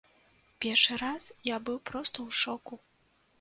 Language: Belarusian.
Першы раз я быў проста ў шоку.